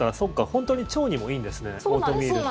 本当に腸にもいいんですねオートミールって。